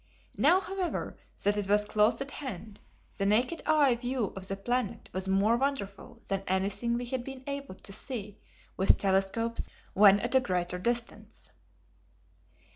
Now, however, that it was close at hand, the naked eye view of the planet was more wonderful than anything we had been able to see with telescopes when at a greater distance.